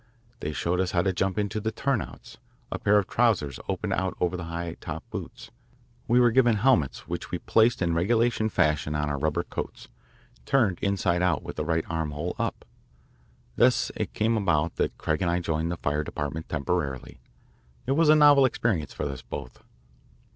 They showed us how to jump into the "turn outs" a pair of trousers opened out over the high top boots. We were given helmets which we placed in regulation fashion on our rubber coats, turned inside out with the right armhole up. Thus it came about that Craig and I joined the Fire Department temporarily. It was a novel experience for us both.